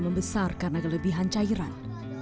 membesar karena kelebihan cairan